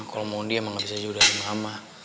kalau moni emang enggak bisa jauh dari mama